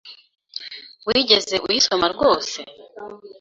Wigeze uyisoma rwose?